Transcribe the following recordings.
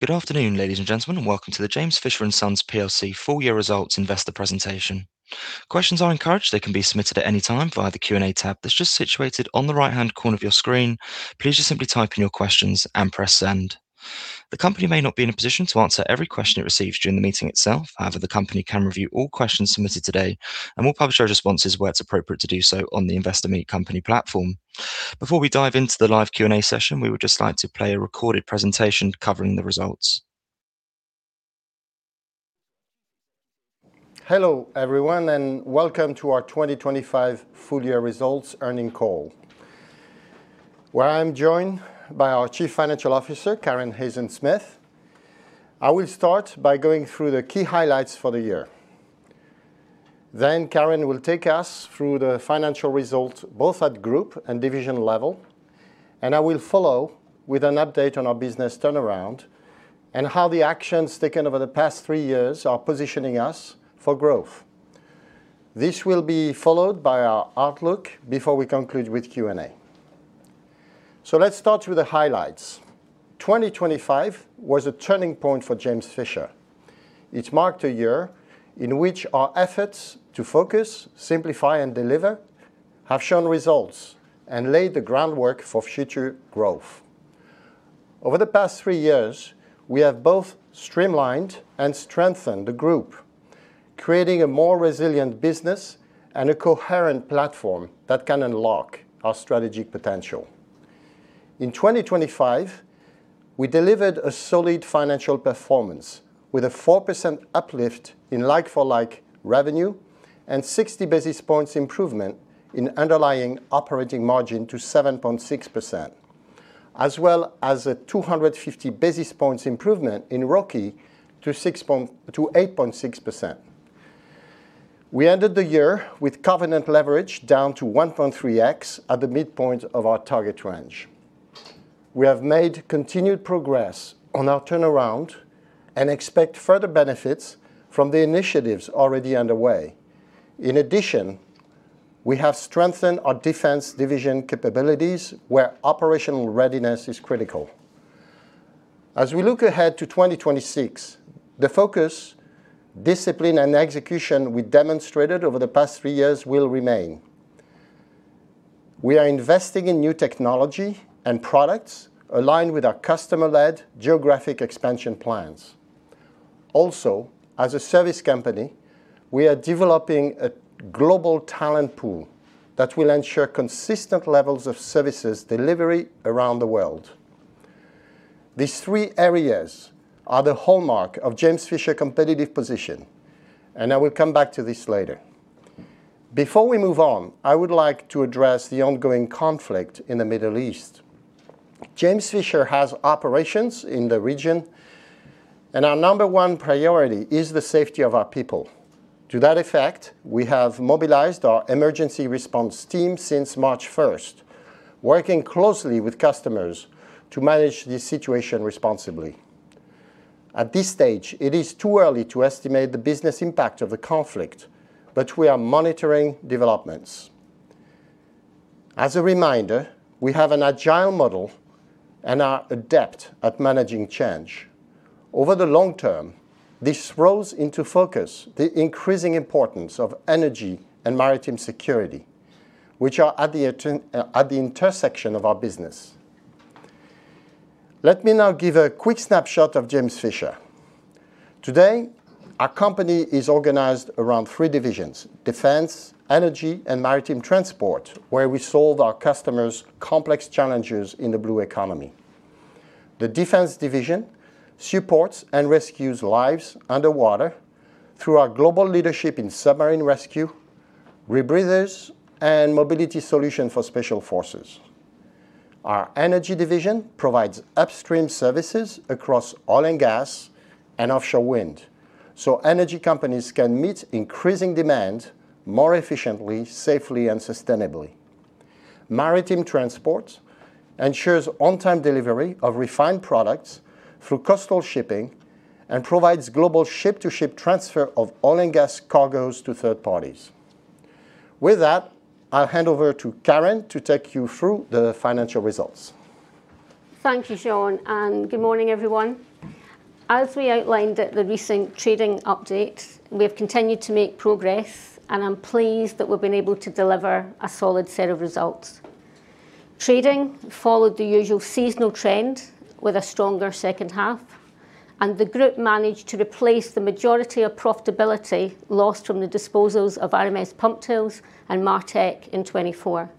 Good afternoon, ladies and gentlemen, and welcome to the James Fisher and Sons plc full year results investor presentation. Questions are encouraged. They can be submitted at any time via the Q&A tab that's just situated on the right-hand corner of your screen. Please just simply type in your questions and press Send. The company may not be in a position to answer every question it receives during the meeting itself. However, the company can review all questions submitted today, and we'll publish our responses where it's appropriate to do so on the Investor Meet Company platform. Before we dive into the live Q&A session, we would just like to play a recorded presentation covering the results. Hello, everyone, and welcome to our 2025 full year results earnings call, where I'm joined by our Chief Financial Officer, Karen Hayzen-Smith. I will start by going through the key highlights for the year. Then Karen will take us through the financial results, both at group and division level, and I will follow with an update on our business turnaround and how the actions taken over the past three years are positioning us for growth. This will be followed by our outlook before we conclude with Q&A. Let's start with the highlights. 2025 was a turning point for James Fisher. It marked a year in which our efforts to focus, simplify, and deliver have shown results and laid the groundwork for future growth. Over the past three years, we have both streamlined and strengthened the group, creating a more resilient business and a coherent platform that can unlock our strategic potential. In 2025, we delivered a solid financial performance with a 4% uplift in like-for-like revenue and 60 basis points improvement in underlying operating margin to 7.6%, as well as a 250 basis points improvement in ROCE to 8.6%. We ended the year with covenant leverage down to 1.3x at the midpoint of our target range. We have made continued progress on our turnaround and expect further benefits from the initiatives already underway. In addition, we have strengthened our defense division capabilities where operational readiness is critical. As we look ahead to 2026, the focus, discipline, and execution we demonstrated over the past three years will remain. We are investing in new technology and products aligned with our customer-led geographic expansion plans. Also, as a service company, we are developing a global talent pool that will ensure consistent levels of services delivery around the world. These three areas are the hallmark of James Fisher competitive position, and I will come back to this later. Before we move on, I would like to address the ongoing conflict in the Middle East. James Fisher has operations in the region, and our number one priority is the safety of our people. To that effect, we have mobilized our emergency response team since March first, working closely with customers to manage the situation responsibly. At this stage, it is too early to estimate the business impact of the conflict, but we are monitoring developments. As a reminder, we have an agile model and are adept at managing change. Over the long term, this throws into focus the increasing importance of energy and maritime security, which are at the intersection of our business. Let me now give a quick snapshot of James Fisher. Today, our company is organized around three divisions: defense, energy, and maritime transport, where we solve our customers' complex challenges in the blue economy. The defense division supports and rescues lives underwater through our global leadership in submarine rescue, rebreathers, and mobility solution for special forces. Our energy division provides upstream services across oil and gas and offshore wind, so energy companies can meet increasing demand more efficiently, safely, and sustainably. Maritime transport ensures on-time delivery of refined products through coastal shipping and provides global ship-to-ship transfer of oil and gas cargos to third parties. With that, I'll hand over to Karen to take you through the financial results. Thank you, Jean, and good morning, everyone. As we outlined at the recent trading update, we have continued to make progress, and I'm pleased that we've been able to deliver a solid set of results. Trading followed the usual seasonal trend with a stronger second half, and the group managed to replace the majority of profitability lost from the disposals of RMSpumptools and Martek in 2024.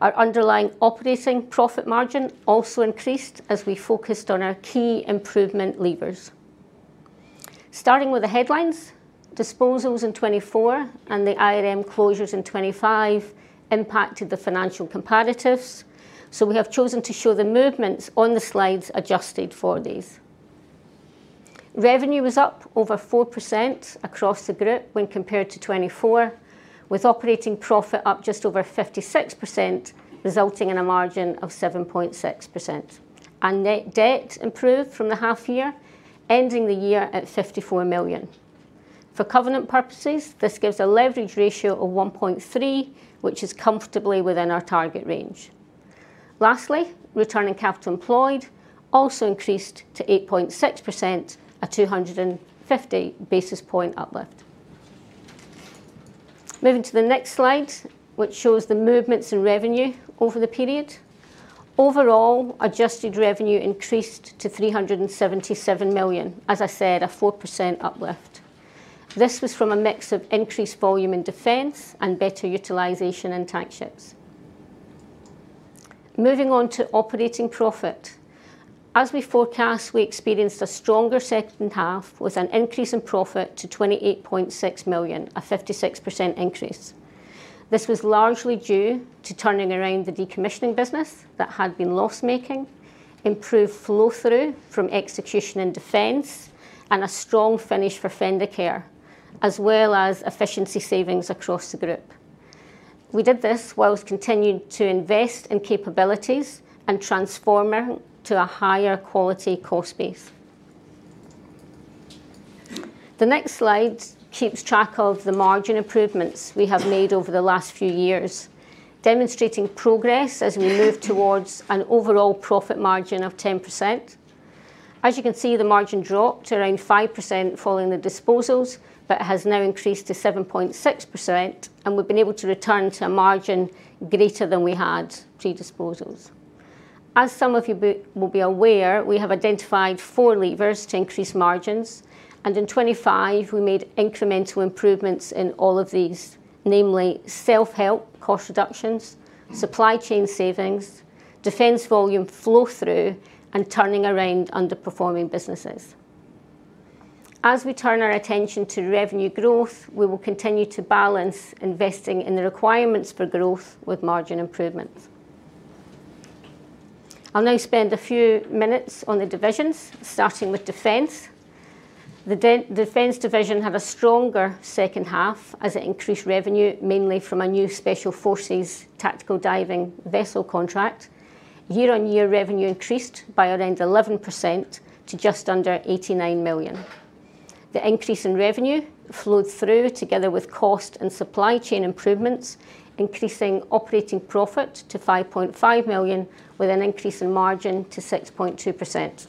Our underlying operating profit margin also increased as we focused on our key improvement levers. Starting with the headlines, disposals in 2024 and the IRM closures in 2025 impacted the financial comparatives, so we have chosen to show the movements on the slides adjusted for these. Revenue was up over 4% across the group when compared to 2024, with operating profit up just over 56%, resulting in a margin of 7.6%. Our net debt improved from the half year, ending the year at 54 million. For covenant purposes, this gives a leverage ratio of 1.3 which is comfortably within our target range. Lastly, return on capital employed also increased to 8.6% at a 250 basis point uplift. Moving to the next slide which shows the movements in revenue over the period. Overall, adjusted revenue increased to 377 million, as I said, a 4% uplift. This was from a mix of increased volume in defense and better utilization in Tankships. Moving on to operating profit. As we forecast, we experienced a stronger second half with an increase in profit to 28.6 million, a 56% increase. This was largely due to turning around the decommissioning business that had been loss-making, improved flow-through from execution in Defence, and a strong finish for Fendercare, as well as efficiency savings across the group. We did this whilst continuing to invest in capabilities and transforming to a higher quality cost base. The next slide keeps track of the margin improvements we have made over the last few years, demonstrating progress as we move towards an overall profit margin of 10%. As you can see, the margin dropped to around 5% following the disposals, but has now increased to 7.6%, and we've been able to return to a margin greater than we had pre-disposals. As some of you will be aware, we have identified four levers to increase margins, and in 2025 we made incremental improvements in all of these, namely self-help cost reductions, supply chain savings, defense volume flow-through, and turning around underperforming businesses. As we turn our attention to revenue growth, we will continue to balance investing in the requirements for growth with margin improvements. I'll now spend a few minutes on the divisions, starting with Defence. The Defence division had a stronger second half as it increased revenue, mainly from a new special forces tactical diving vessel contract. Year-on-year revenue increased by around 11% to just under 89 million. The increase in revenue flowed through together with cost and supply chain improvements, increasing operating profit to 5.5 million, with an increase in margin to 6.2%.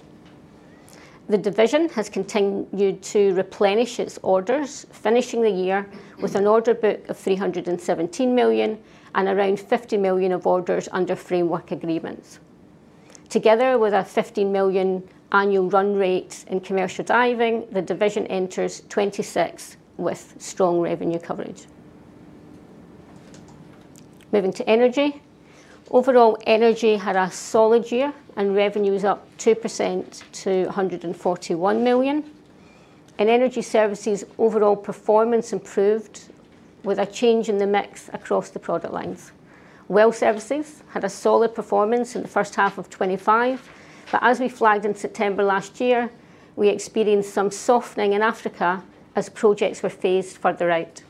The division has continued to replenish its orders, finishing the year with an order book of 317 million and around 50 million of orders under framework agreements. Together with our 50 million annual run rate in commercial diving, the division enters 2026 with strong revenue coverage. Moving to Energy. Overall, Energy had a solid year, and revenue is up 2% to 141 million. In Energy Services, overall performance improved with a change in the mix across the product lines. Well services had a solid performance in the first half of 2025, but as we flagged in September last year, we experienced some softening in Africa as projects were phased further out.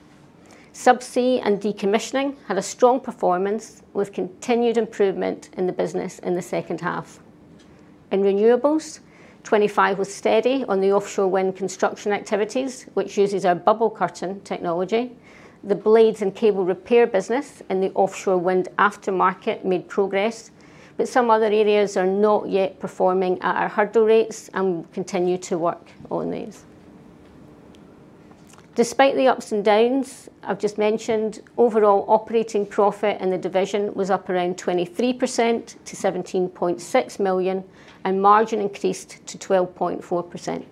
Subsea and decommissioning had a strong performance with continued improvement in the business in the second half. In renewables, 2025 was steady on the offshore wind construction activities, which uses our bubble curtain technology. The blades and cable repair business in the offshore wind aftermarket made progress, but some other areas are not yet performing at our hurdle rates and we continue to work on these. Despite the ups and downs I've just mentioned, overall operating profit in the division was up around 23% to 17.6 million, and margin increased to 12.4%.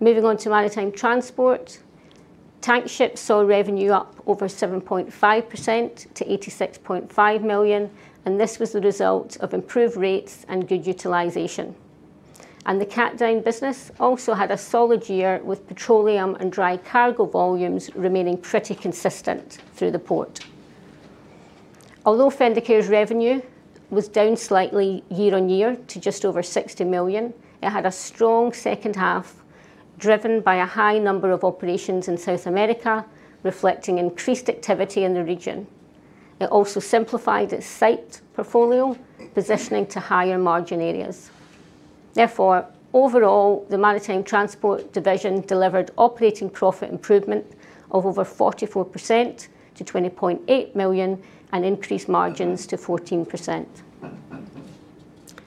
Moving on to Maritime Transport. Tankships saw revenue up over 7.5% to 86.5 million, and this was the result of improved rates and good utilization. The Capstone business also had a solid year with petroleum and dry cargo volumes remaining pretty consistent through the port. Although Fendercare's revenue was down slightly year-on-year to just over 60 million, it had a strong second half, driven by a high number of operations in South America, reflecting increased activity in the region. It also simplified its site portfolio, positioning to higher margin areas. Therefore, overall, the Maritime Transport division delivered operating profit improvement of over 44% to 20.8 million and increased margins to 14%.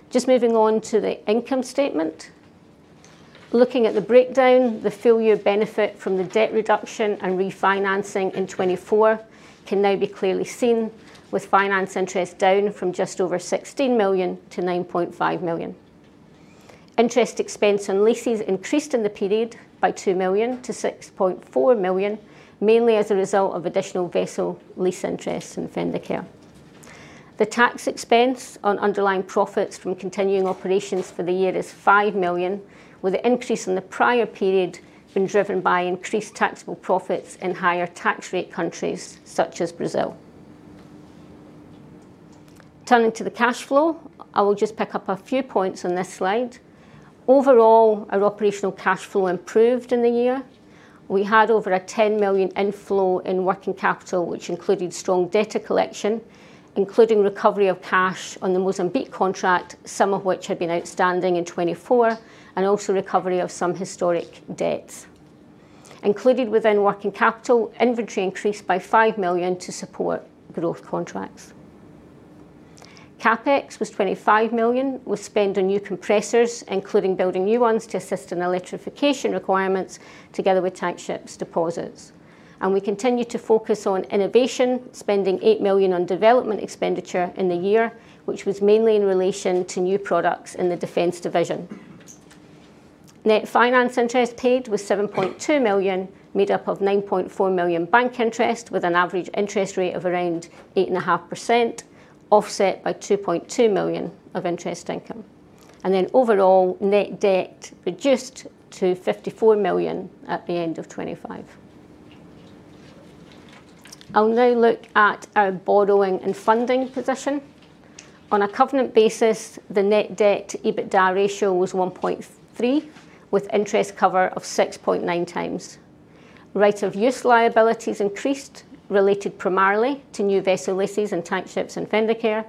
Just moving on to the income statement. Looking at the breakdown, the full year benefit from the debt reduction and refinancing in 2024 can now be clearly seen, with finance interest down from just over 16 million to 9.5 million. Interest expense on leases increased in the period by 2 million-6.4 million, mainly as a result of additional vessel lease interest in Fendercare. The tax expense on underlying profits from continuing operations for the year is 5 million, with the increase in the prior period being driven by increased taxable profits in higher tax rate countries such as Brazil. Turning to the cash flow. I will just pick up a few points on this slide. Overall, our operational cash flow improved in the year. We had over a 10 million inflow in working capital, which included strong debtor collection, including recovery of cash on the Mozambique contract, some of which had been outstanding in 2024, and also recovery of some historic debts. Included within working capital, inventory increased by 5 million to support growth contracts. CapEx was 25 million, with spend on new compressors, including building new ones to assist in electrification requirements together with Tankships deposits. We continue to focus on innovation, spending 8 million on development expenditure in the year, which was mainly in relation to new products in the defense division. Net finance interest paid was 7.2 million, made up of 9.4 million bank interest, with an average interest rate of around 8.5%, offset by 2.2 million of interest income. Overall, net debt reduced to 54 million at the end of 2025. I'll now look at our borrowing and funding position. On a covenant basis, the net debt to EBITDA ratio was 1.3, with interest cover of 6.9x. Right-of-use liabilities increased, related primarily to new vessel leases and Tankships and Fendercare.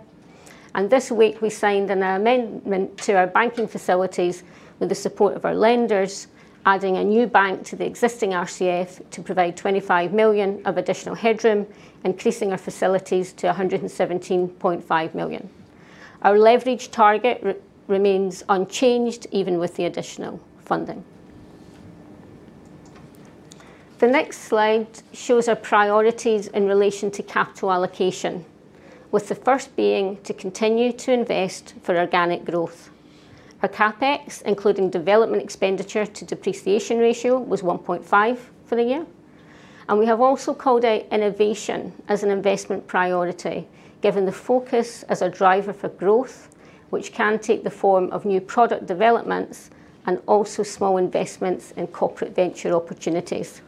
This week, we signed an amendment to our banking facilities with the support of our lenders, adding a new bank to the existing RCF to provide 25 million of additional headroom, increasing our facilities to 117.5 million. Our leverage target remains unchanged even with the additional funding. The next slide shows our priorities in relation to capital allocation, with the first being to continue to invest for organic growth. Our CapEx, including development expenditure to depreciation ratio, was 1.5 for the year. We have also called out innovation as an investment priority, given the focus as a driver for growth, which can take the form of new product developments and also small investments in corporate venture opportunities.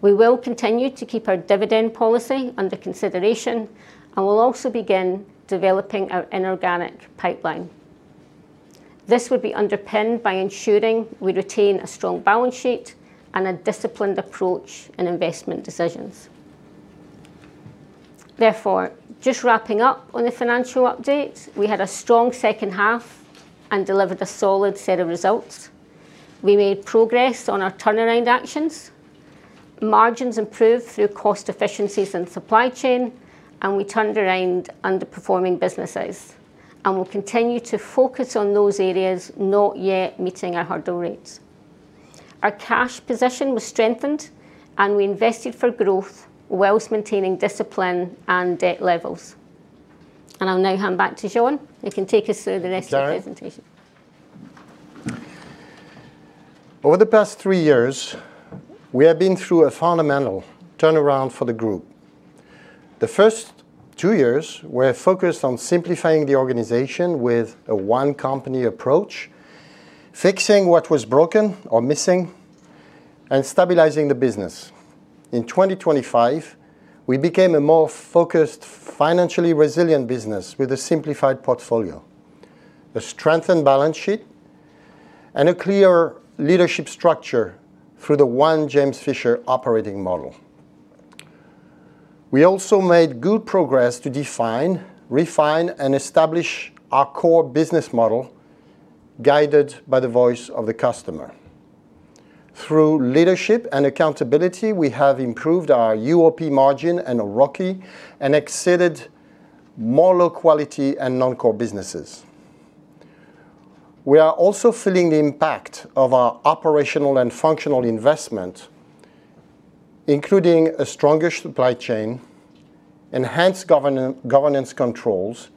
We will continue to keep our dividend policy under consideration, and we'll also begin developing our inorganic pipeline. This would be underpinned by ensuring we retain a strong balance sheet and a disciplined approach in investment decisions. Therefore, just wrapping up on the financial update, we had a strong second half and delivered a solid set of results. We made progress on our turnaround actions. Margins improved through cost efficiencies and supply chain, and we turned around underperforming businesses, and we'll continue to focus on those areas not yet meeting our hurdle rates. Our cash position was strengthened and we invested for growth whilst maintaining discipline and debt levels. I'll now hand back to Jean, who can take us through the rest of the presentation. Over the past three years, we have been through a fundamental turnaround for the group. The first two years were focused on simplifying the organization with a one company approach, fixing what was broken or missing, and stabilizing the business. In 2025, we became a more focused, financially resilient business with a simplified portfolio, a strengthened balance sheet, and a clear leadership structure through the One James Fisher operating model. We also made good progress to define, refine, and establish our core business model, guided by the voice of the customer. Through leadership and accountability, we have improved our UOP margin and ROCE and exited more low quality and non-core businesses. We are also feeling the impact of our operational and functional investment, including a stronger supply chain, enhanced governance controls,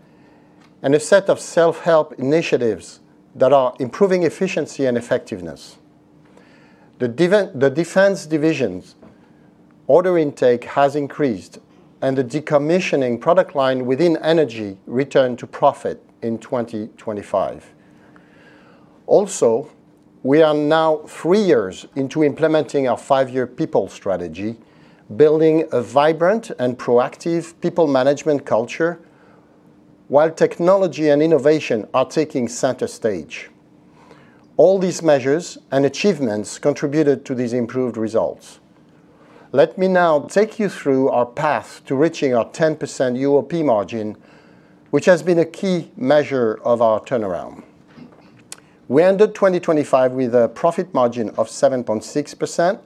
and a set of self-help initiatives that are improving efficiency and effectiveness. The defense division's order intake has increased and the decommissioning product line within energy returned to profit in 2025. Also, we are now three years into implementing our five-year people strategy, building a vibrant and proactive people management culture, while technology and innovation are taking center stage. All these measures and achievements contributed to these improved results. Let me now take you through our path to reaching our 10% UOP margin, which has been a key measure of our turnaround. We ended 2025 with a profit margin of 7.6%.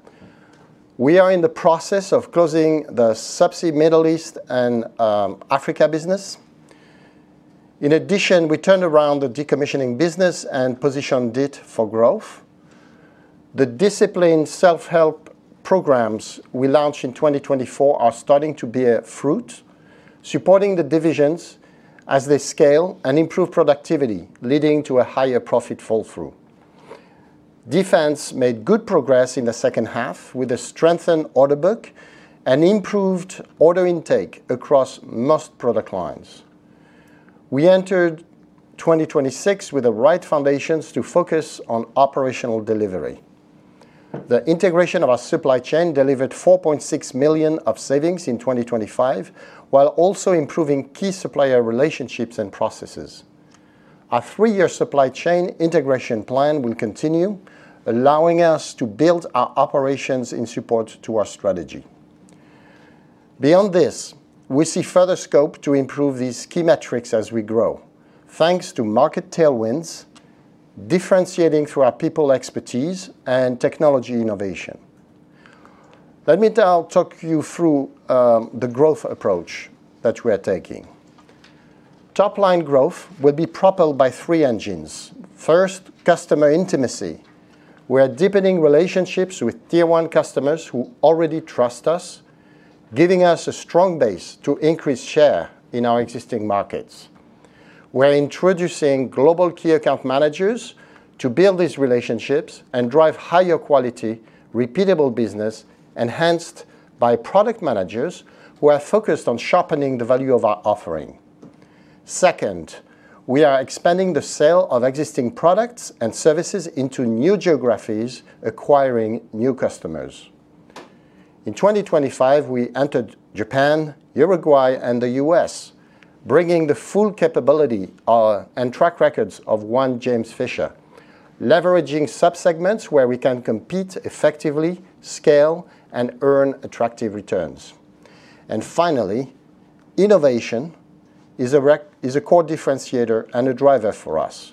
We are in the process of closing the Subsea Middle East and Africa business. In addition, we turned around the decommissioning business and positioned it for growth. The disciplined self-help programs we launched in 2024 are starting to bear fruit, supporting the divisions as they scale and improve productivity, leading to a higher profit flow-through. Defense made good progress in the second half with a strengthened order book and improved order intake across most product lines. We entered 2026 with the right foundations to focus on operational delivery. The integration of our supply chain delivered 4.6 million of savings in 2025, while also improving key supplier relationships and processes. Our three-year supply chain integration plan will continue, allowing us to build our operations in support to our strategy. Beyond this, we see further scope to improve these key metrics as we grow thanks to market tailwinds, differentiating through our people expertise and technology innovation. Let me now talk you through the growth approach that we are taking. Top line growth will be propelled by three engines. First, customer intimacy. We are deepening relationships with tier one customers who already trust us, giving us a strong base to increase share in our existing markets. We're introducing global key account managers to build these relationships and drive higher quality, repeatable business enhanced by product managers who are focused on sharpening the value of our offering. Second, we are expanding the sale of existing products and services into new geographies, acquiring new customers. In 2025, we entered Japan, Uruguay, and the U.S., bringing the full capability and track records of One James Fisher, leveraging sub-segments where we can compete effectively, scale, and earn attractive returns. Finally, innovation is a core differentiator and a driver for us.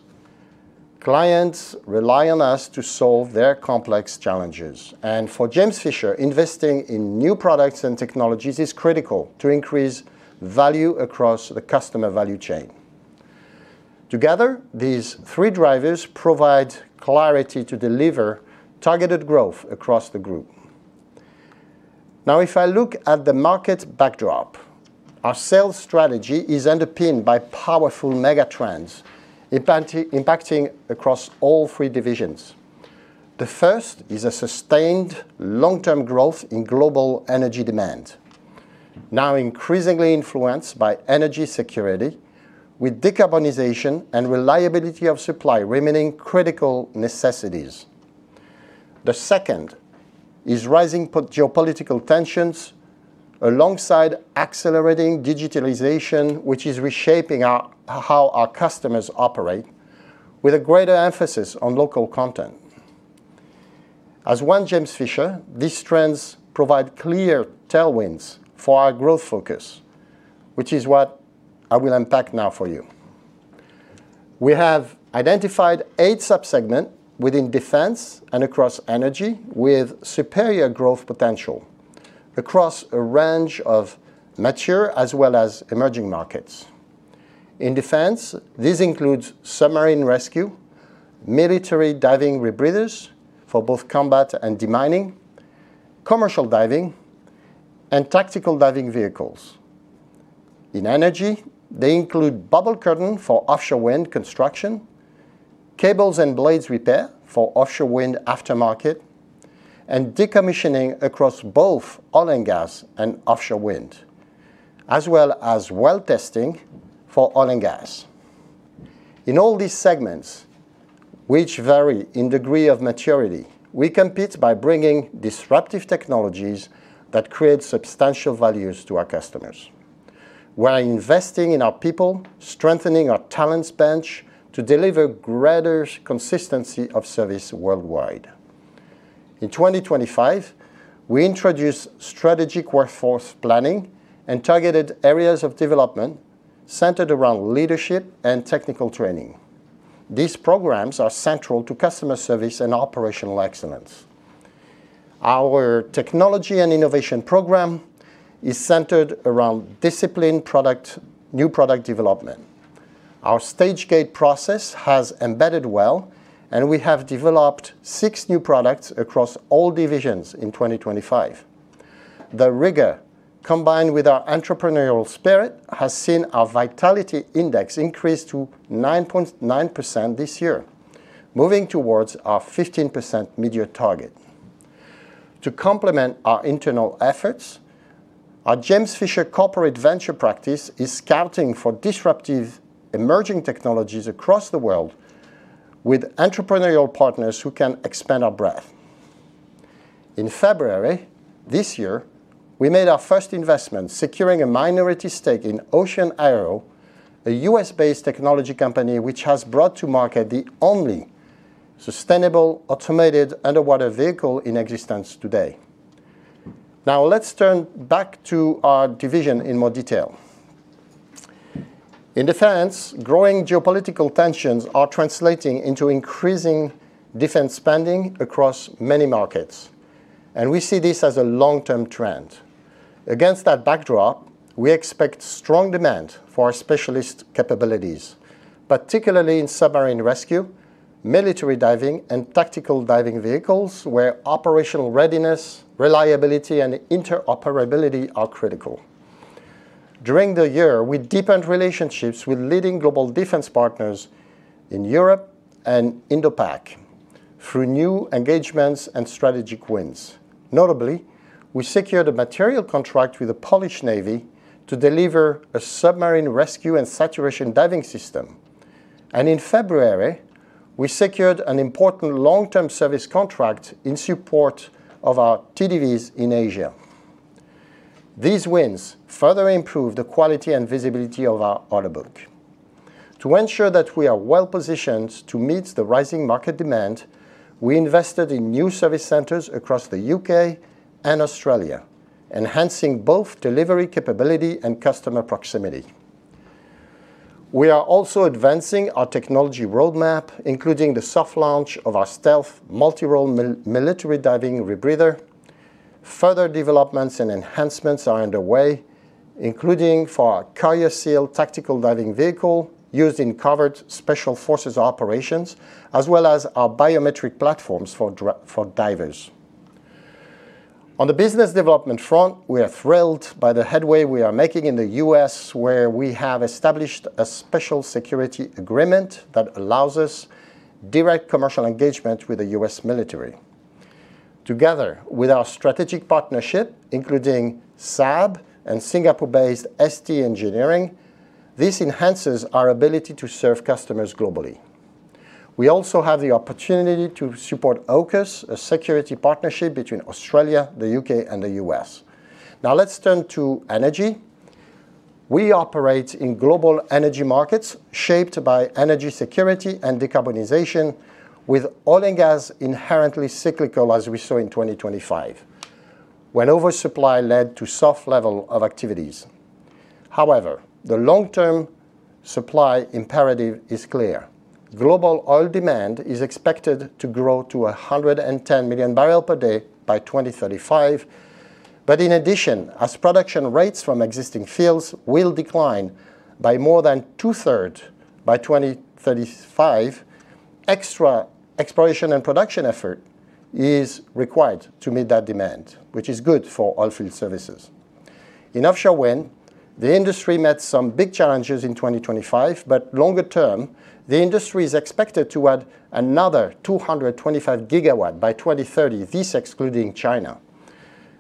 Clients rely on us to solve their complex challenges, and for James Fisher, investing in new products and technologies is critical to increase value across the customer value chain. Together, these three drivers provide clarity to deliver targeted growth across the group. Now, if I look at the market backdrop, our sales strategy is underpinned by powerful mega trends impacting across all three divisions. The first is a sustained long-term growth in global energy demand, now increasingly influenced by energy security with decarbonization and reliability of supply remaining critical necessities. The second is rising geopolitical tensions alongside accelerating digitalization, which is reshaping how our customers operate with a greater emphasis on local content. As One James Fisher, these trends provide clear tailwinds for our growth focus, which is what I will unpack now for you. We have identified eight sub-segments within defense and across energy with superior growth potential across a range of mature as well as emerging markets. In defense, this includes submarine rescue, military diving rebreathers for both combat and demining, commercial diving, and tactical diving vehicles. In energy, they include bubble curtain for offshore wind construction, cables and blades repair for offshore wind aftermarket, and decommissioning across both oil and gas and offshore wind, as well as well testing for oil and gas. In all these segments, which vary in degree of maturity, we compete by bringing disruptive technologies that create substantial values to our customers. We're investing in our people, strengthening our talents bench to deliver greater consistency of service worldwide. In 2025, we introduced strategic workforce planning and targeted areas of development centered around leadership and technical training. These programs are central to customer service and operational excellence. Our technology and innovation program is centered around disciplined product, new product development. Our stage gate process has embedded well, and we have developed six new products across all divisions in 2025. The rigor, combined with our entrepreneurial spirit, has seen our vitality index increase to 9.9% this year, moving towards our 15% mid-year target. To complement our internal efforts, our James Fisher corporate venture practice is scouting for disruptive emerging technologies across the world with entrepreneurial partners who can expand our breadth. In February this year, we made our first investment securing a minority stake in Ocean Aero, a U.S.-based technology company, which has brought to market the only sustainable automated underwater vehicle in existence today. Now, let's turn back to our division in more detail. In Defence, growing geopolitical tensions are translating into increasing defense spending across many markets, and we see this as a long-term trend. Against that backdrop, we expect strong demand for our specialist capabilities, particularly in submarine rescue, military diving, and tactical diving vehicles where operational readiness, reliability, and interoperability are critical. During the year, we deepened relationships with leading global defense partners in Europe and Indo-Pac through new engagements and strategic wins. Notably, we secured a material contract with the Polish Navy to deliver a submarine rescue and saturation diving system. In February, we secured an important long-term service contract in support of our TDVs in Asia. These wins further improve the quality and visibility of our order book. To ensure that we are well positioned to meet the rising market demand, we invested in new service centers across the U.K. and Australia, enhancing both delivery capability and customer proximity. We are also advancing our technology roadmap, including the soft launch of our stealth multi-role military diving rebreather. Further developments and enhancements are underway, including for our Carrier SEAL tactical diving vehicle used in covert special forces operations, as well as our biometric platforms for for divers. On the business development front, we are thrilled by the headway we are making in the U.S. where we have established a special security agreement that allows us direct commercial engagement with the U.S. military. Together with our strategic partnership, including Saab and Singapore-based ST Engineering, this enhances our ability to serve customers globally. We also have the opportunity to support AUKUS, a security partnership between Australia, the U.K., and the U.S. Now let's turn to energy. We operate in global energy markets shaped by energy security and decarbonization, with oil and gas inherently cyclical as we saw in 2025, when oversupply led to soft level of activities. However, the long-term supply imperative is clear. Global oil demand is expected to grow to 110 million barrels per day by 2035. In addition, as production rates from existing fields will decline by more than two-thirds by 2035, extra exploration and production effort is required to meet that demand, which is good for oilfield services. In offshore wind, the industry met some big challenges in 2025, but longer term, the industry is expected to add another 225 GW by 2030, this excluding China.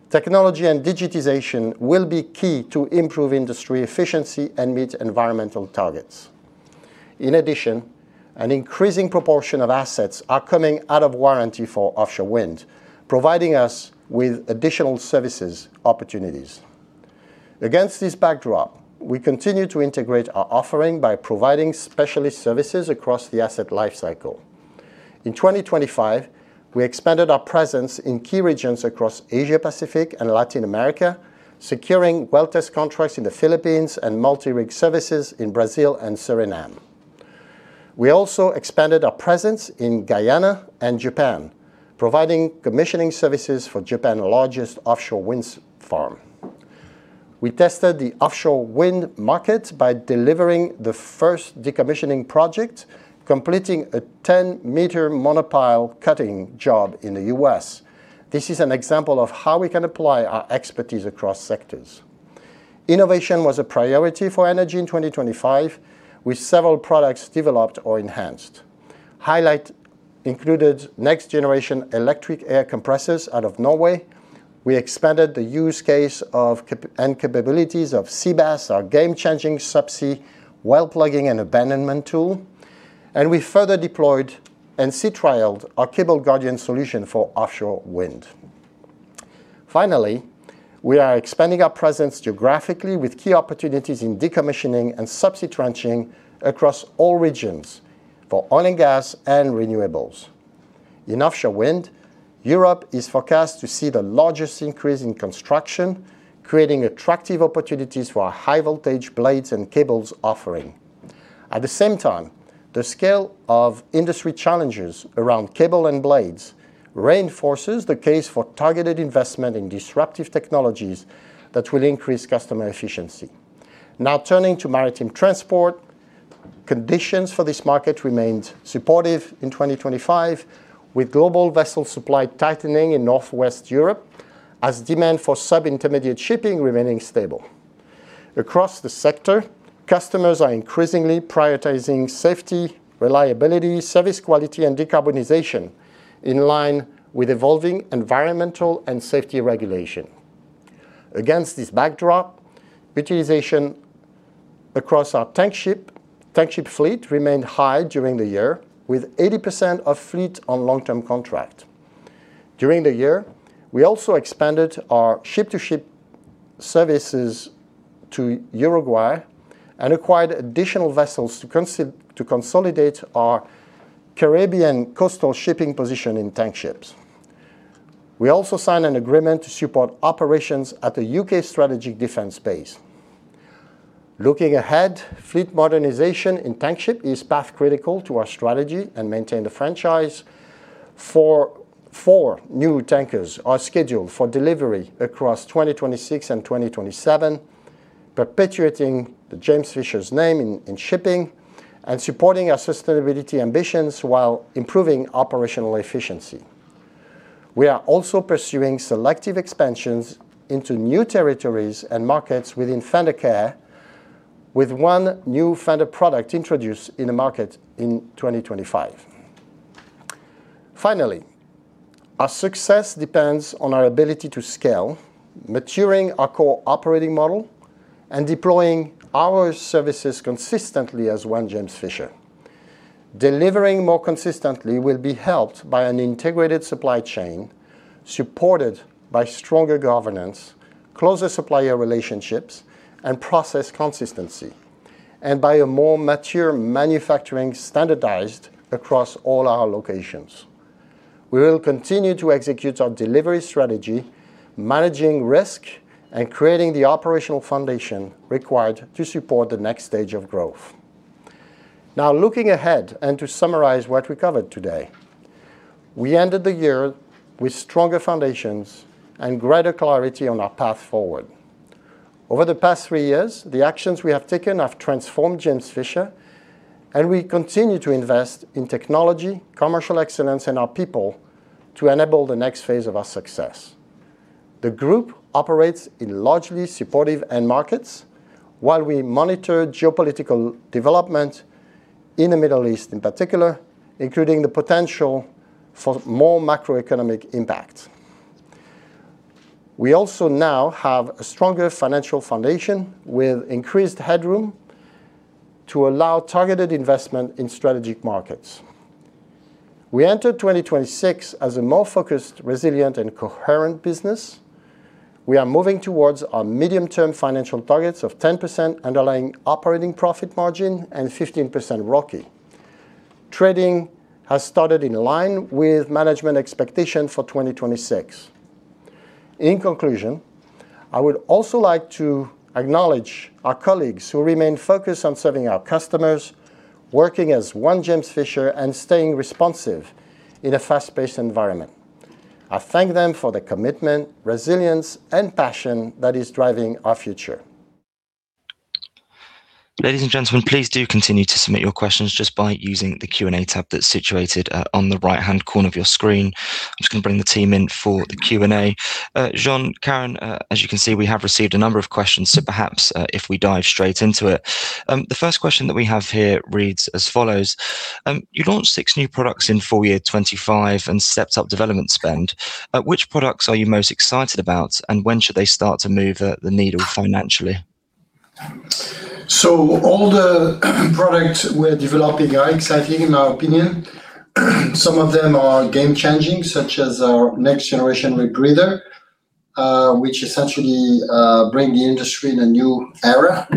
Technology and digitization will be key to improve industry efficiency and meet environmental targets. In addition, an increasing proportion of assets are coming out of warranty for offshore wind, providing us with additional services opportunities. Against this backdrop, we continue to integrate our offering by providing specialist services across the asset lifecycle. In 2025, we expanded our presence in key regions across Asia-Pacific and Latin America, securing well test contracts in the Philippines and multi-rig services in Brazil and Suriname. We also expanded our presence in Guyana and Japan, providing commissioning services for Japan's largest offshore wind farm. We tested the offshore wind market by delivering the first decommissioning project, completing a 10-meter monopile cutting job in the U.S. This is an example of how we can apply our expertise across sectors. Innovation was a priority for energy in 2025, with several products developed or enhanced. Highlights included next generation electric air compressors out of Norway. We expanded the capabilities of SEABASS, our game-changing subsea well plugging and abandonment tool. We further deployed and sea trialed our Cable Guardian solution for offshore wind. Finally, we are expanding our presence geographically with key opportunities in decommissioning and subsea trenching across all regions for oil and gas and renewables. In offshore wind, Europe is forecast to see the largest increase in construction, creating attractive opportunities for our high voltage blades and cables offering. At the same time, the scale of industry challenges around cable and blades reinforces the case for targeted investment in disruptive technologies that will increase customer efficiency. Now turning to maritime transport, conditions for this market remained supportive in 2025, with global vessel supply tightening in Northwest Europe as demand for sub-intermediate shipping remaining stable. Across the sector, customers are increasingly prioritizing safety, reliability, service quality, and decarbonization in line with evolving environmental and safety regulation. Against this backdrop, utilization across our Tankship fleet remained high during the year, with 80% of fleet on long-term contract. During the year, we also expanded our ship-to-ship services to Uruguay and acquired additional vessels to consolidate our Caribbean coastal shipping position in Tankships. We also signed an agreement to support operations at the U.K. Strategic Defence Base. Looking ahead, fleet modernization in Tankship is path critical to our strategy and maintain the franchise. Four new tankers are scheduled for delivery across 2026 and 2027, perpetuating the James Fisher's name in shipping and supporting our sustainability ambitions while improving operational efficiency. We are also pursuing selective expansions into new territories and markets within Fendercare, with one new fender product introduced in the market in 2025. Finally, our success depends on our ability to scale, maturing our core operating model, and deploying our services consistently as One James Fisher. Delivering more consistently will be helped by an integrated supply chain supported by stronger governance, closer supplier relationships and process consistency, and by a more mature manufacturing standardized across all our locations. We will continue to execute our delivery strategy, managing risk and creating the operational foundation required to support the next stage of growth. Now, looking ahead and to summarize what we covered today, we ended the year with stronger foundations and greater clarity on our path forward. Over the past three years, the actions we have taken have transformed James Fisher, and we continue to invest in technology, commercial excellence and our people to enable the next phase of our success. The group operates in largely supportive end markets while we monitor geopolitical development in the Middle East in particular, including the potential for more macroeconomic impact. We also now have a stronger financial foundation with increased headroom to allow targeted investment in strategic markets. We enter 2026 as a more focused, resilient and coherent business. We are moving towards our medium-term financial targets of 10% underlying operating profit margin and 15% ROCE. Trading has started in line with management expectation for 2026. In conclusion, I would also like to acknowledge our colleagues who remain focused on serving our customers, working as One James Fisher and staying responsive in a fast-paced environment. I thank them for the commitment, resilience and passion that is driving our future. Ladies and gentlemen, please do continue to submit your questions just by using the Q&A tab that's situated on the right-hand corner of your screen. I'm just gonna bring the team in for the Q&A. Jean, Karen, as you can see, we have received a number of questions, so perhaps if we dive straight into it. The first question that we have here reads as follows. You launched six new products in full year 2025 and stepped up development spend. Which products are you most excited about, and when should they start to move the needle financially? All the products we're developing are exciting in our opinion. Some of them are game changing, such as our next generation rebreather, which essentially bring the industry in a new era.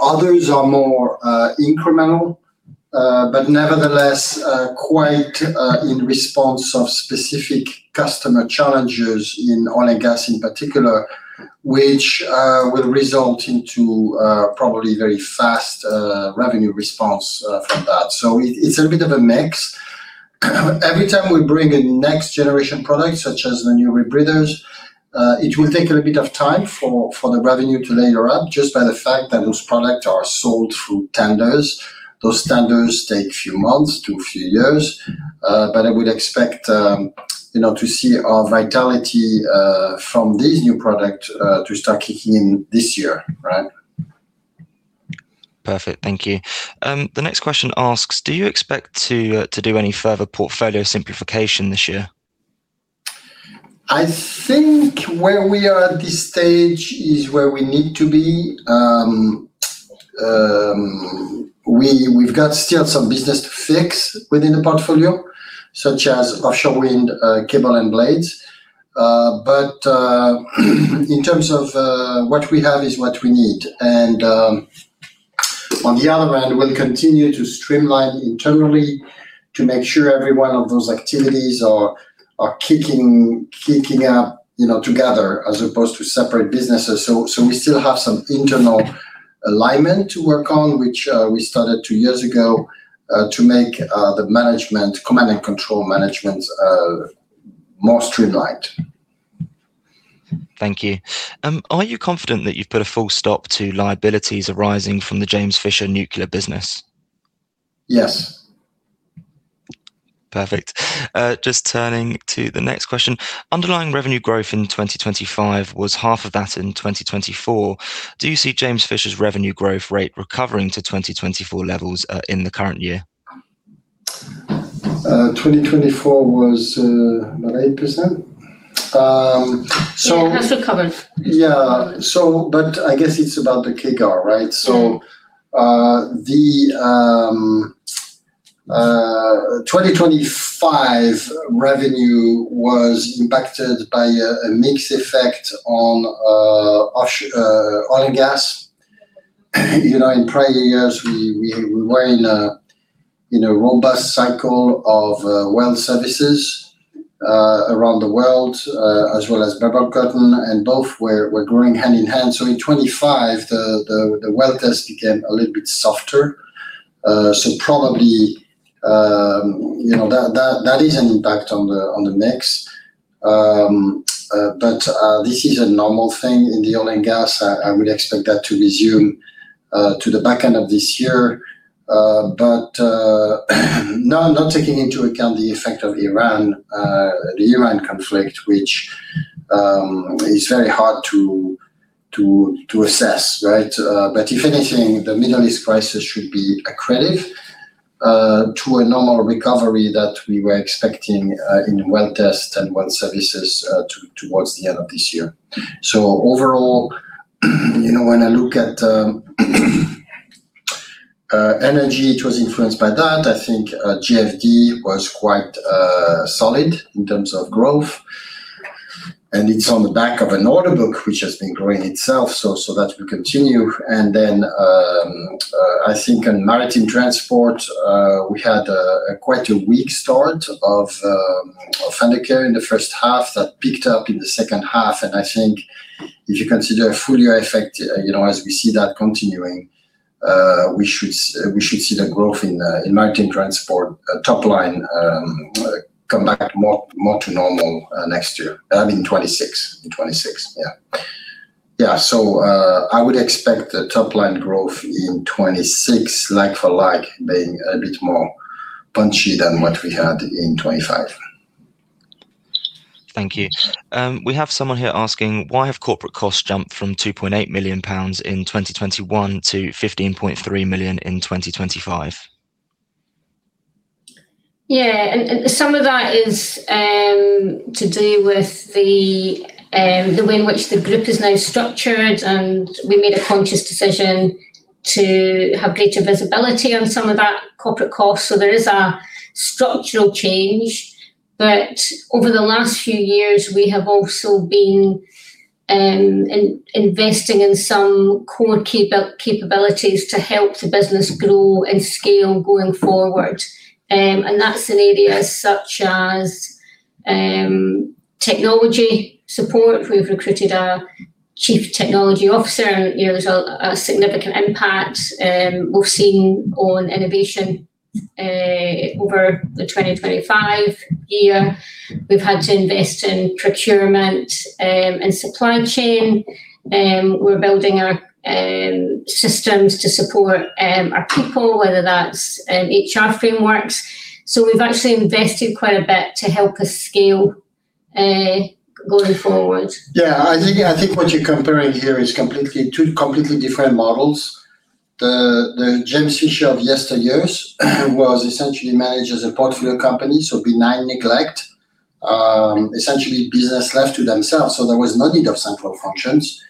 Others are more incremental, but nevertheless quite in response of specific customer challenges in oil and gas in particular, which will result into probably very fast revenue response from that. It's a bit of a mix. Every time we bring a next generation product such as the new rebreathers, it will take a little bit of time for the revenue to layer up just by the fact that those product are sold through tenders. Those tenders take few months to a few years. I would expect, you know, to see our vitality from these new product to start kicking in this year. Right. Perfect. Thank you. The next question asks, do you expect to do any further portfolio simplification this year? I think where we are at this stage is where we need to be. We've got still some business to fix within the portfolio, such as offshore wind, cable and blades. In terms of what we have is what we need. On the other hand, we'll continue to streamline internally to make sure every one of those activities are kicking up, you know, together as opposed to separate businesses. We still have some internal alignment to work on, which we started two years ago to make the management command and control management more streamlined. Thank you. Are you confident that you've put a full stop to liabilities arising from the James Fisher Nuclear business? Yes. Perfect. Just turning to the next question. Underlying revenue growth in 2025 was half of that in 2024. Do you see James Fisher's revenue growth rate recovering to 2024 levels, in the current year? 2024 was about 8%. It has recovered. Yeah. I guess it's about the CAGR, right? Yeah. The 2025 revenue was impacted by a mix effect on oil and gas. You know, in prior years we were in a robust cycle of well services around the world, as well as bubble curtain, and both were growing hand in hand. In 2025 the well test became a little bit softer. Probably you know, that is an impact on the mix. This is a normal thing in the oil and gas. I would expect that to resume to the back end of this year. Not taking into account the effect of Iran, the Iran conflict, which is very hard to assess, right? If anything, the Middle East crisis should be accretive to a normal recovery that we were expecting in well test and well services toward the end of this year. Overall. You know, when I look at energy, it was influenced by that. I think JFD was quite solid in terms of growth, and it's on the back of an order book which has been growing itself, so that will continue. Then, I think in maritime transport, we had quite a weak start of Fendercare in the first half that picked up in the second half. I think if you consider a full year effect, you know, as we see that continuing, we should see the growth in maritime transport top line come back more to normal next year. I mean 2026. In 2026. Yeah. I would expect the top line growth in 2026 like for like being a bit more punchy than what we had in 2025. Thank you. We have someone here asking: Why have corporate costs jumped from 2.8 million pounds in 2021 to 15.3 million in 2025? Some of that is to do with the way in which the group is now structured, and we made a conscious decision to have greater visibility on some of that corporate cost. There is a structural change. Over the last few years, we have also been investing in some core capabilities to help the business grow and scale going forward. That's in areas such as technology support. We've recruited a chief technology officer. You know, there's a significant impact we've seen on innovation over the 2025 year. We've had to invest in procurement and supply chain. We're building our systems to support our people, whether that's HR frameworks. We've actually invested quite a bit to help us scale going forward. Yeah. I think what you're comparing here is two completely different models. The James Fisher of yesteryears was essentially managed as a portfolio company, so benign neglect. Essentially business left to themselves, so there was no need of central functions.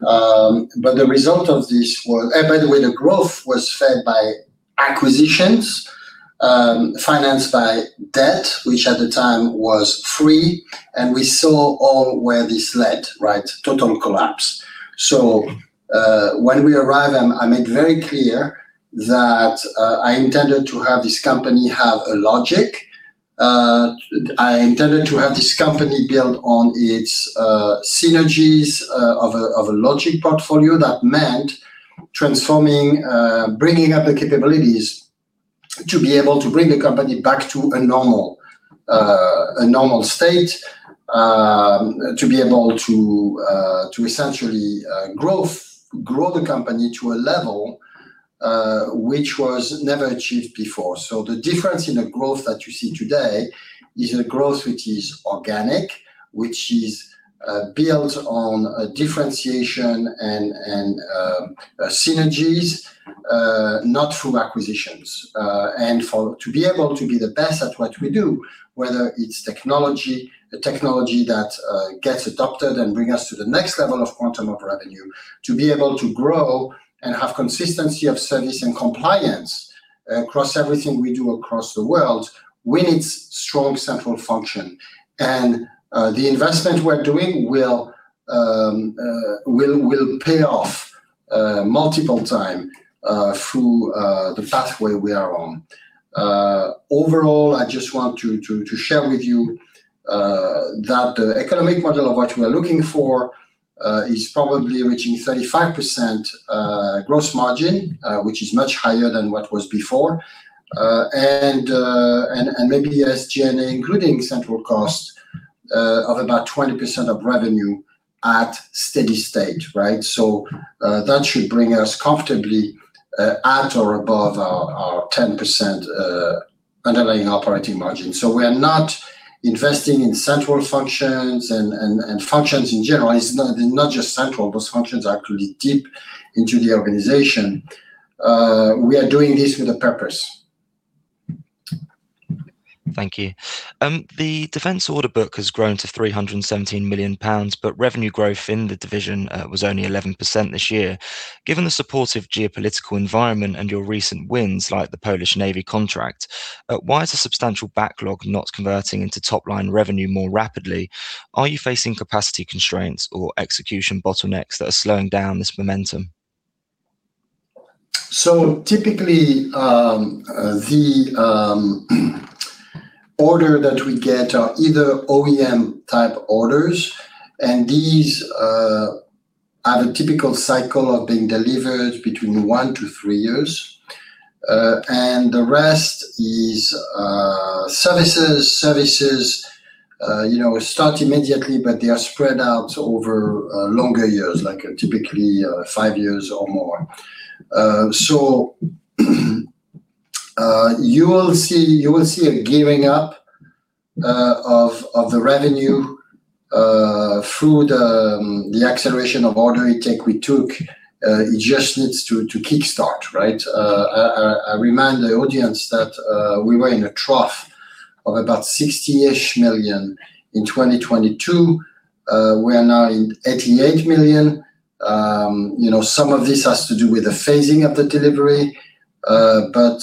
But the result of this was by the way, the growth was fed by acquisitions, financed by debt, which at the time was free, and we saw where all this led, right? Total collapse. When we arrived, I made very clear that I intended to have this company have a logic. I intended to have this company build on its synergies of a logic portfolio. That meant transforming, bringing up the capabilities to be able to bring the company back to a normal state, to essentially grow the company to a level which was never achieved before. The difference in the growth that you see today is a growth which is organic, which is built on a differentiation and synergies, not through acquisitions. To be able to be the best at what we do, whether it's technology that gets adopted and bring us to the next level of quantum of revenue, to be able to grow and have consistency of service and compliance across everything we do across the world, we need strong central function. The investment we're doing will pay off multiple times through the pathway we are on. Overall, I just want to share with you that the economic model of what we are looking for is probably reaching 35% gross margin, which is much higher than what was before. Maybe the SG&A including central cost of about 20% of revenue at steady state, right? That should bring us comfortably at or above our 10% underlying operating margin. We are not investing in central functions and functions in general. It's not just central. Those functions are actually deep into the organization. We are doing this with a purpose. Thank you. The defense order book has grown to 317 million pounds, but revenue growth in the division was only 11% this year. Given the supportive geopolitical environment and your recent wins, like the Polish Navy contract, why is the substantial backlog not converting into top-line revenue more rapidly? Are you facing capacity constraints or execution bottlenecks that are slowing down this momentum? Typically, the order that we get are either OEM type orders, and these have a typical cycle of being delivered between one to three years. The rest is services. Services, you know, start immediately, but they are spread out over longer years, like typically five years or more. You will see a giving up of the revenue through the acceleration of order intake we took. It just needs to kickstart, right? I remind the audience that we were in a trough of about 60-ish million in 2022. We are now in 88 million. You know, some of this has to do with the phasing of the delivery, but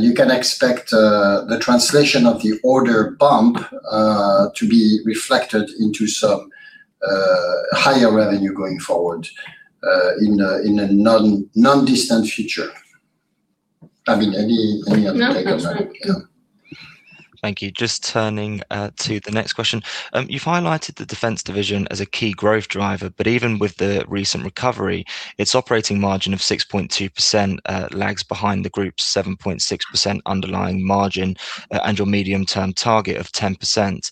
you can expect the translation of the order bump to be reflected into some higher revenue going forward, in a non-distant future. I mean, any other take on that? No, that's fine. Yeah. Thank you. Just turning to the next question. You've highlighted the defense division as a key growth driver, but even with the recent recovery, its operating margin of 6.2% lags behind the group's 7.6% underlying margin and your medium-term target of 10%.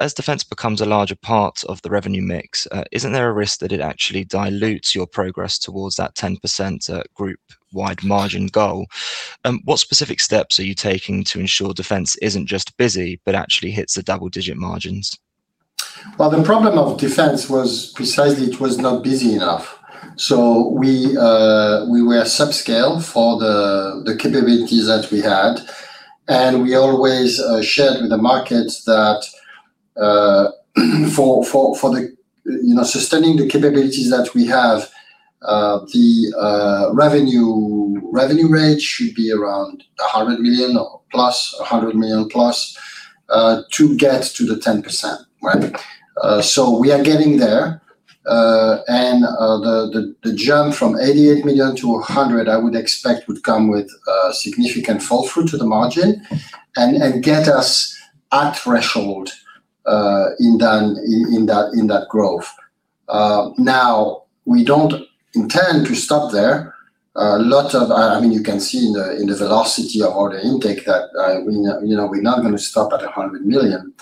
As defense becomes a larger part of the revenue mix, isn't there a risk that it actually dilutes your progress towards that 10% group-wide margin goal? What specific steps are you taking to ensure Defence isn't just busy but actually hits the double-digit margins? Well, the problem of Defence was precisely it was not busy enough. We were subscale for the capabilities that we had, and we always shared with the market that, for you know sustaining the capabilities that we have, the revenue rate should be around 100 million plus to get to the 10%, right? We are getting there. The jump from 88 million-100 million, I would expect would come with significant flow-through to the margin and get us to threshold in that growth. Now, we don't intend to stop there. A lot of. I mean, you can see in the velocity of order intake that we, you know, we're not gonna stop at 100 million.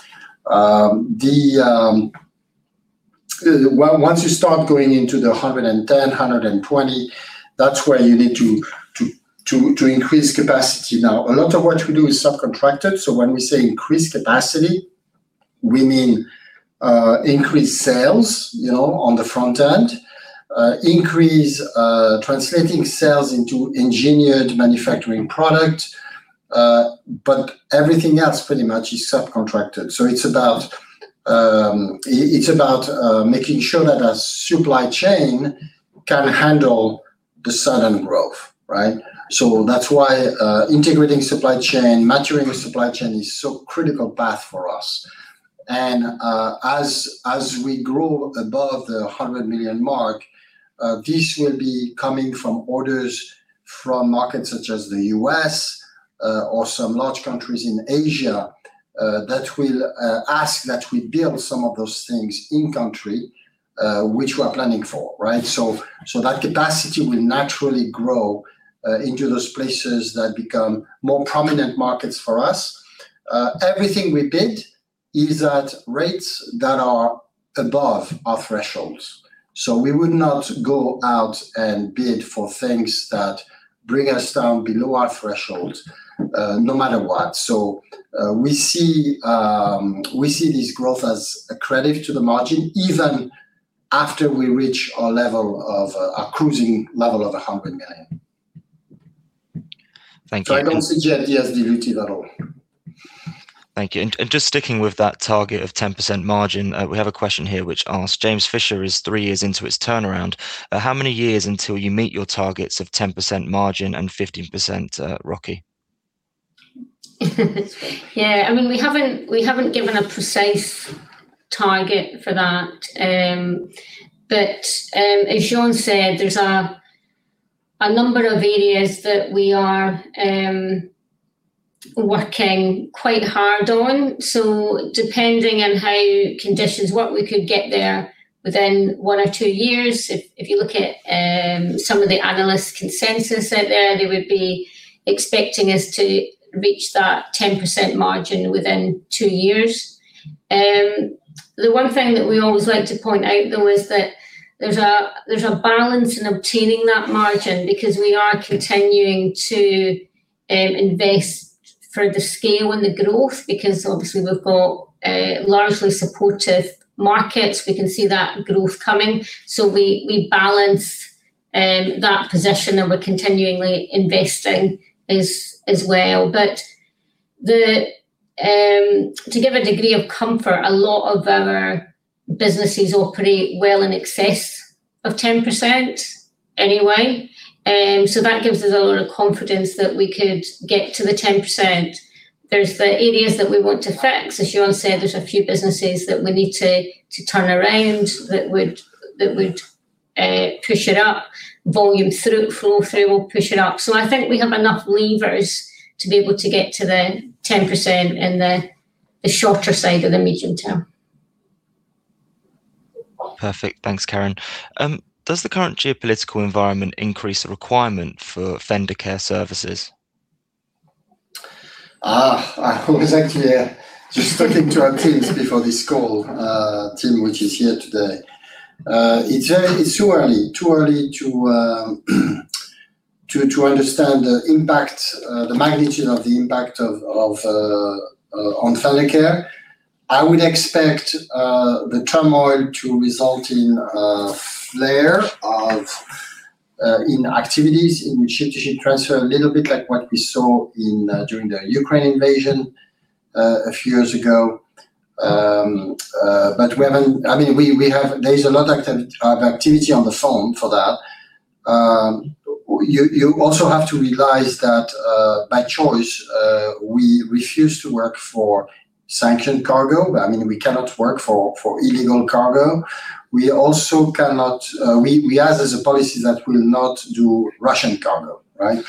Once you start going into the 110 million, 120 million, that's where you need to increase capacity. Now, a lot of what we do is subcontracted, so when we say increase capacity, we mean increase sales, you know, on the front end, increase translating sales into engineered manufacturing product. But everything else pretty much is subcontracted, so it's about making sure that our supply chain can handle the sudden growth, right? That's why integrating supply chain, maturing the supply chain is so critical path for us. As we grow above the 100 million mark, this will be coming from orders from markets such as the U.S., or some large countries in Asia, that will ask that we build some of those things in country, which we are planning for, right? That capacity will naturally grow into those places that become more prominent markets for us. Everything we bid is at rates that are above our thresholds, so we would not go out and bid for things that bring us down below our threshold, no matter what. We see this growth as a credit to the margin even after we reach our level of our cruising level of 100 million. Thank you. I don't see the idea as diluted at all. Thank you. Just sticking with that target of 10% margin, we have a question here which asks, James Fisher is three years into its turnaround. How many years until you meet your targets of 10% margin and 15% ROCE? Yeah. I mean, we haven't given a precise target for that. As Jean said, there's a number of areas that we are working quite hard on. Depending on how conditions work, we could get there within one or two years. If you look at some of the analyst consensus out there, they would be expecting us to reach that 10% margin within two years. The one thing that we always like to point out, though, is that there's a balance in obtaining that margin because we are continuing to invest for the scale and the growth because obviously we've got largely supportive markets. We can see that growth coming, we balance that position and we're continually investing as well. To give a degree of comfort, a lot of our businesses operate well in excess of 10% anyway, so that gives us a lot of confidence that we could get to the 10%. There are the areas that we want to fix. As Jean said, there are a few businesses that we need to turn around that would push it up, volume through, flow through will push it up. I think we have enough levers to be able to get to the 10% in the shorter side of the medium term. Perfect. Thanks, Karen. Does the current geopolitical environment increase the requirement for Fendercare services? I was actually just talking to our teams before this call, our team which is here today. It's too early to understand the impact, the magnitude of the impact on Fendercare. I would expect the turmoil to result in a flare of activities in ship-to-ship transfer, a little bit like what we saw during the Ukraine invasion a few years ago. I mean, we have—There's a lot of activity on the phone for that. You also have to realize that, by choice, we refuse to work for sanctioned cargo. I mean, we cannot work for illegal cargo. We also cannot. We have as a policy that we'll not do Russian cargo, right?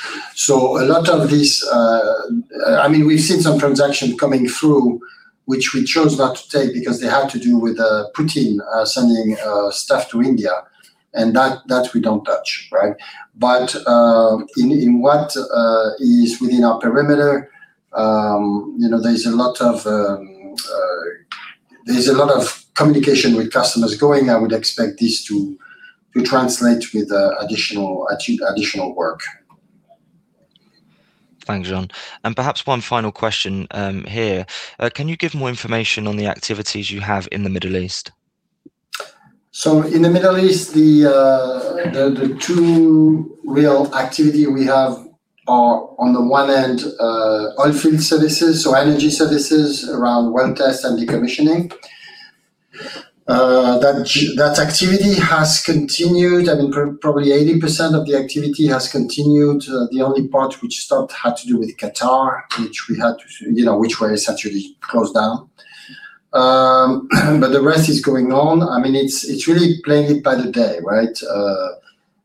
A lot of these, I mean, we've seen some transactions coming through which we chose not to take because they have to do with Putin sending stuff to India and that we don't touch, right? In what is within our perimeter, you know, there's a lot of communication with customers going. I would expect this to translate with additional work. Thanks, Jean. Perhaps one final question, here. Can you give more information on the activities you have in the Middle East? In the Middle East, the two real activity we have are on the one end, oil field services, so energy services around well test and decommissioning. That activity has continued, I mean, probably 80% of the activity has continued. The only part which stopped had to do with Qatar, you know, which was actually closed down. But the rest is going on. I mean, it's really playing it by the day, right?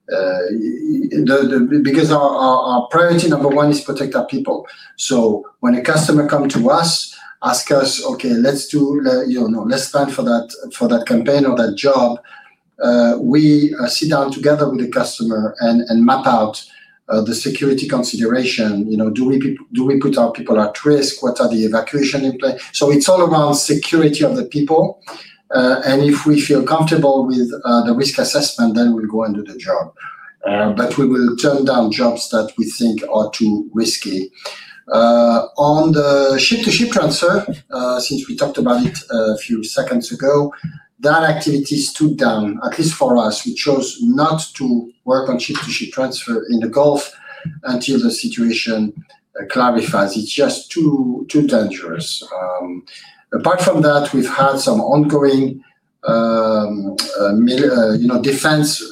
Because our priority number one is protect our people. When a customer come to us, ask us, "Okay, let's do, you know, let's plan for that campaign or that job," we sit down together with the customer and map out the security consideration. You know, do we put our people at risk? What are the evacuation in play? It's all around security of the people. If we feel comfortable with the risk assessment, then we'll go and do the job. We will turn down jobs that we think are too risky. On the ship-to-ship transfer, since we talked about it a few seconds ago, that activity is toned down, at least for us. We chose not to work on ship-to-ship transfer in the Gulf until the situation clarifies. It's just too dangerous. Apart from that, we've had some ongoing defense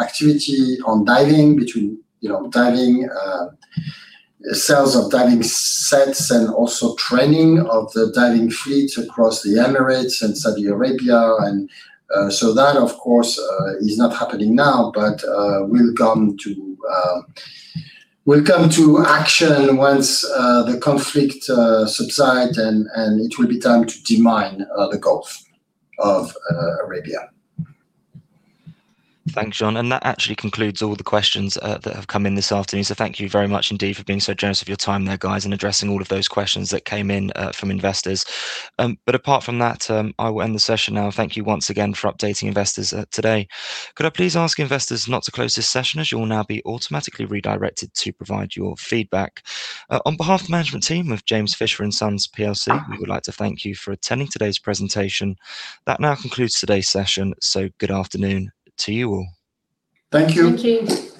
activity on diving between diving sales of diving sets and also training of the diving fleets across the Emirates and Saudi Arabia. That, of course, is not happening now, but we'll come to action once the conflict subsides and it will be time to demine the Persian Gulf. Thanks, Jean. That actually concludes all the questions that have come in this afternoon. Thank you very much indeed for being so generous with your time there, guys, and addressing all of those questions that came in from investors. Apart from that, I will end the session now. Thank you once again for updating investors today. Could I please ask investors not to close this session as you will now be automatically redirected to provide your feedback. On behalf of the management team of James Fisher and Sons plc, we would like to thank you for attending today's presentation. That now concludes today's session, so good afternoon to you all. Thank you. Thank you.